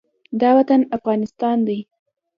دا وطن افغانستان دى.